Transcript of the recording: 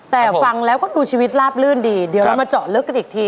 แต่ฟังแล้วก็ดูชีวิตลาบลื่นดีเดี๋ยวเรามาเจาะลึกกันอีกที